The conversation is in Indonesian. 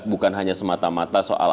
bukan hanya semata mata soal anies dan ahok